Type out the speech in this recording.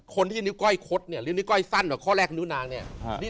คนที่นิ้วก้อยคดเนี่ยหรือนิ้ก้อยสั้นแบบข้อแรกนิ้วนางเนี่ย